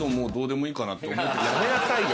やめなさいよ